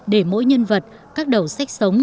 để mỗi nhân vật các đầu sách sống